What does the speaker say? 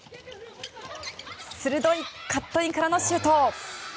鋭いカットインからのシュート！